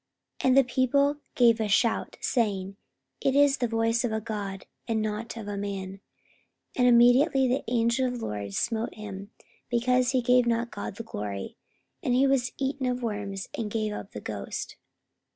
44:012:022 And the people gave a shout, saying, It is the voice of a god, and not of a man. 44:012:023 And immediately the angel of the Lord smote him, because he gave not God the glory: and he was eaten of worms, and gave up the ghost.